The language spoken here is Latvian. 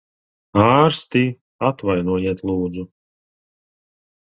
Ārsti! Atvainojiet, lūdzu.